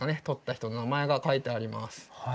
採った人の名前が書いてあります。